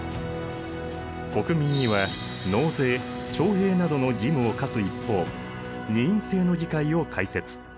国民には納税徴兵などの義務を課す一方二院制の議会を開設。